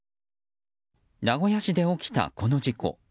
名古屋市で起きた、この事故。